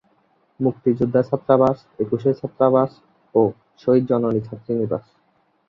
মুক্তিযোদ্ধা ছাত্রাবাস, একুশে ছাত্রাবাস ও শহীদ জননী ছাত্রীনিবাস।